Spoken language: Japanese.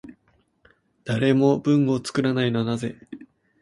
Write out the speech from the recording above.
誰も文を作らないのはなぜ？